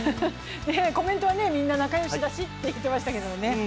コメントはみんな仲よしだしって言ってましたけどね。